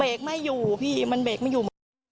เบรกไม่อยู่พี่มันเบรกไม่อยู่